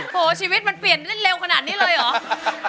โหชีวิตมันเปลี่ยนเล่นเร็วขนาดนี้เลยเหรอ